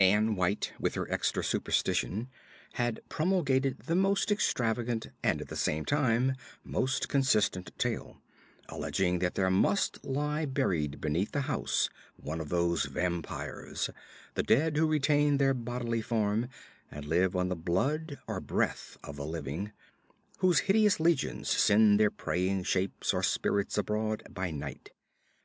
Ann White, with her Exeter superstition, had promulgated the most extravagant and at the same time most consistent tale; alleging that there must lie buried beneath the house one of those vampires the dead who retain their bodily form and live on the blood or breath of the living whose hideous legions send their preying shapes or spirits abroad by night.